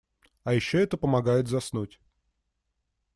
А ещё это помогает заснуть.